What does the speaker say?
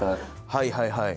はいはいはい。